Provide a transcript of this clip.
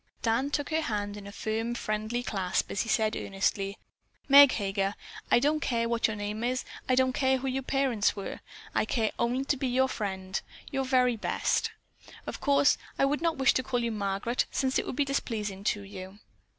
Dan took her hand in a firm, friendly clasp as he said earnestly: "Meg Heger, I don't care what your name is, I don't care who your parents were. I care only to be your friend, your very best. Of course I would not wish to call you Margaret since it would be displeasing to you."